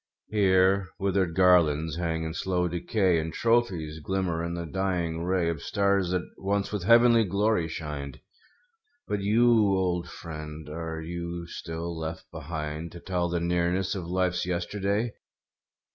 Here, withered garlands hang in slow decay. And trophies glimmer in the dying ray Of stars that once with heavenly glory shined. 280 THE FALLEN But you, old friend, are you still left behind To tell the nearness of life's yesterday?